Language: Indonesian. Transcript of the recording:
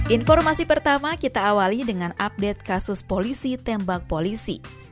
informasi pertama kita awali dengan update kasus polisi tembak polisi